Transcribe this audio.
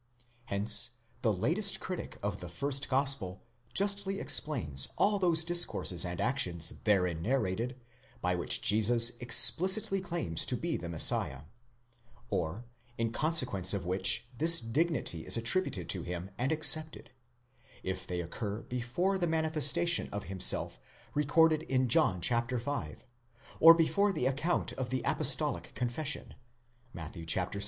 Hence the latest critic of the first gospel justly explains all those discourses and actions therein narrated, by which Jesus explicitly claims to be the Messiah, or, in consequence of which this dignity is attributed to him and accepted, if they occur before the manifestation of himself recorded in John v., or before the account of the apostolic confession (Matt. xvi.)